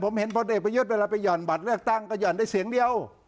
ผมเห็นพลเอกประยุทธ์เวลาไปห่อนบัตรเลือกตั้งก็หย่อนได้เสียงเดียว